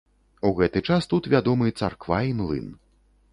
У гэты час тут вядомы царква і млын.